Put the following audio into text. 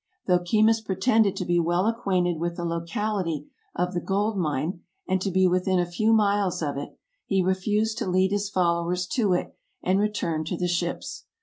Though Keymis pretended to be well acquainted with the locality of the gold mine, and to be within a few miles of it, he refused to lead his followers to it and returned to the ships.